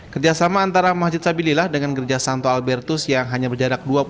kerjasama antara masjid sabilillah dengan gereja santo albertus yang hanya berjarak dua puluh